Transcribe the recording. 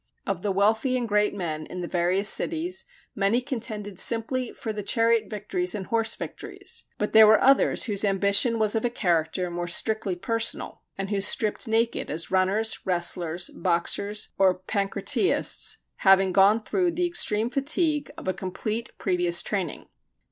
Of the wealthy and great men in the various cities, many contended simply for the chariot victories and horse victories. But there were others whose ambition was of a character more strictly personal, and who stripped naked as runners, wrestlers, boxers, or pancratiasts, having gone through the extreme fatigue of a complete previous training.